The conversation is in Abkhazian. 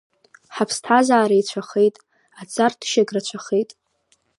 Ҳаԥсҭазара еицәахеит, аҵарҭышагь рацәахеит.